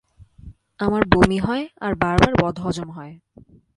আমার বমি হয় আর বারবার বদহজম হয়।